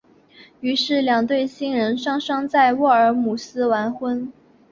于是两对新人双双在沃尔姆斯完婚。